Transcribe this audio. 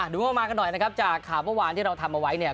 ดูงบมากันหน่อยนะครับจากข่าวเมื่อวานที่เราทำเอาไว้เนี่ย